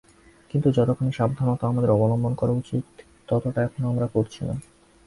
কিন্তু যতখানি সাবধানতা আমাদের অবলম্বন করা উচিত ততটা এখনো আমরা করছি না।